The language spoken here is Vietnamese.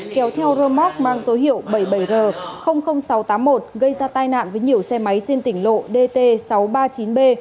kéo theo rơ móc mang số hiệu bảy mươi bảy r sáu trăm tám mươi một gây ra tai nạn với nhiều xe máy trên tỉnh lộ dt sáu trăm ba mươi chín b